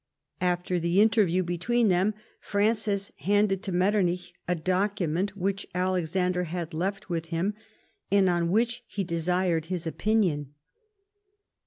After the interview between them Francis handed to Metternich a document which Alexander had left with him, and on which he had desired his opinion.